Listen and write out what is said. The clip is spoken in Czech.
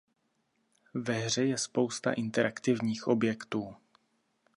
Ve hře je spousta interaktivních objektů.